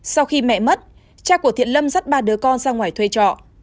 sau khi mẹ mất cha của thiện lâm dắt ba đứa con ra ngoài thuê trọ